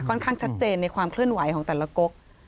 ข้างชัดเจนในความเคลื่อนไหวของแต่ละก๊ก